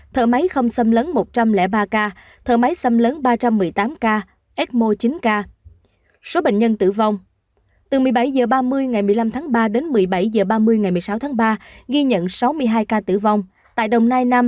thanh hóa một bảy mươi một